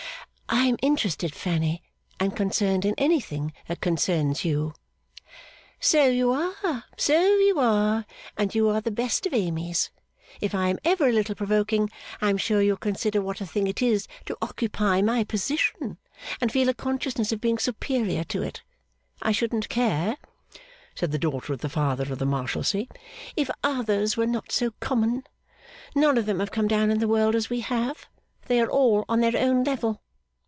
'I am interested, Fanny, and concerned in anything that concerns you.' 'So you are, so you are, and you are the best of Amys. If I am ever a little provoking, I am sure you'll consider what a thing it is to occupy my position and feel a consciousness of being superior to it. I shouldn't care,' said the Daughter of the Father of the Marshalsea, 'if the others were not so common. None of them have come down in the world as we have. They are all on their own level.